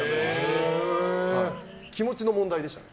気持ちの問題でした。